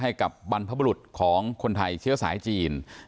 ให้กับบรรพบุรุษของคนไทยเชื้อสายจีน